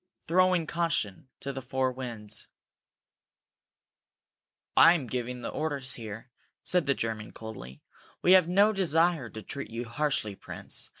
throwing caution to the four winds. "I am giving the orders here," said the German, coldly. "We have no desire to treat you harshly, Prince.